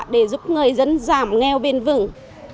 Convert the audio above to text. để giúp người dân giảm nghèo bền vững